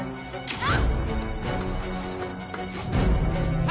あっ。